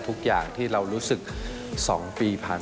ทุกอย่างที่เรารู้สึก๒ปีผ่าน